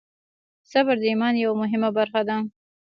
صبر د ایمان یوه مهمه برخه ده.